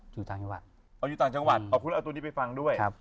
อยู่ต่างจังหวัดเอาตัวนี้ไปฟังด้วย